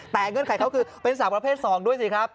แต่เงื่อนไขเขาคือเป็นสาวประเภท๒ด้วยสิครับ